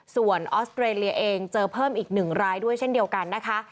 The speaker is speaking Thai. ส่วนออสเตรเลียเองเจอเพิ่มอีก๑รายด้วยเช่นเดียวกันนะคะ